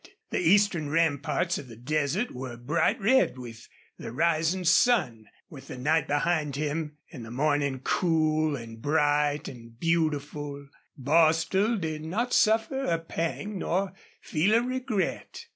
The eastern ramparts of the desert were bright red with the rising sun. With the night behind him and the morning cool and bright and beautiful, Bostil did not suffer a pang nor feel a regret.